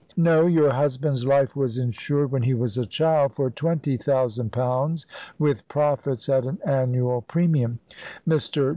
"No; your husband's life was insured, when he was a child, for twenty thousand pounds with profits, at an annual premium. Mr.